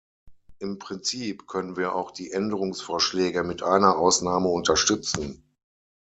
Im Prinzip können wir auch die Änderungsvorschläge, mit einer Ausnahme, unterstützen.